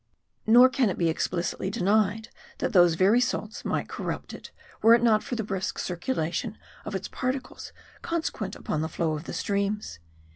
Nor can it be explicitly denied, that those very salts might corrupt it, were it not for the brisk cir culation of its particles consequent upon the flow of the streams.